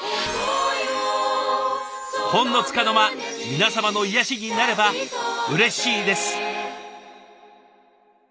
ほんのつかの間皆様の癒やしになればうれしいです。